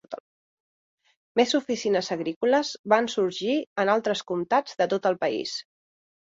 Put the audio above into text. Més oficines agrícoles van sorgir en altres comtats de tot el país.